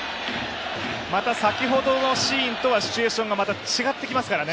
また先ほどのシーンとはシチュエーションが違ってきますからね。